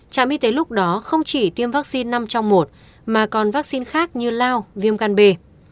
trạm y tế lúc đó không chỉ tiêm vaccine năm trong một mà còn vaccine khác như lao viêm gan b